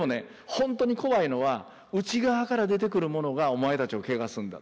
ほんとに怖いのは内側から出てくるものがお前たちをけがすんだ。